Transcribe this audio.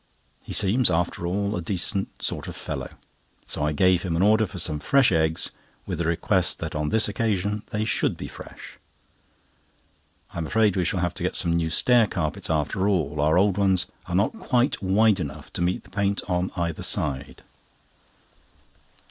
He seems, after all, a decent sort of fellow; so I gave him an order for some fresh eggs, with a request that on this occasion they should be fresh. I am afraid we shall have to get some new stair carpets after all; our old ones are not quite wide enough to meet the paint on either side.